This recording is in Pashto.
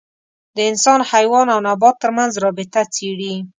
د انسان، حیوان او نبات تر منځ رابطه څېړي.